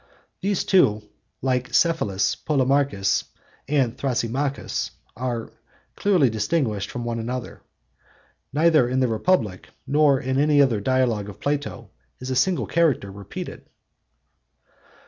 These too, like Cephalus, Polemarchus, Thrasymachus, are clearly distinguished from one another. Neither in the Republic, nor in any other Dialogue of Plato, is a single character repeated.